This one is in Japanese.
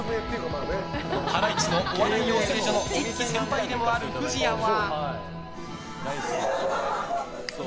ハライチのお笑い養成所の１期先輩でもある藤谷は。